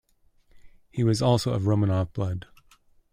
He was also of Romanov Blood.